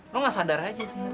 lo ga sadar aja sebenernya